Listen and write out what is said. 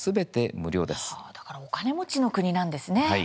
だからお金持ちの国なんですね。